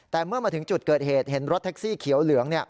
แต่เมื่อมาถึงจุดเกิดเหตุเห็นรถแท็กซี่เขียวเหลือง